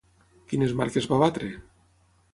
Quines marques va batre?